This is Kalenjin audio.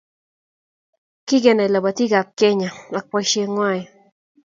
Kikenai lobotii ab Kenya ak boisie ngwang.